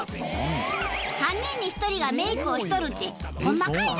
３人に１人がメイクをしとるってホンマかいな？